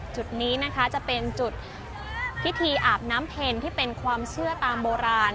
จุดนี้นะคะจะเป็นจุดพิธีอาบน้ำเพ็ญที่เป็นความเชื่อตามโบราณ